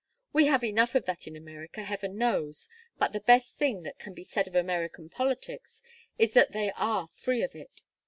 We have enough of that in America, heaven knows, but the best thing that can be said of American politics is that they are free of it.